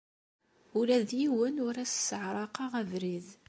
Ula d yiwen ur as-sseɛraqeɣ abrid.